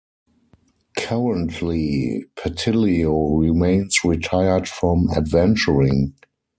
Currently, Patilio remains retired from adventuring.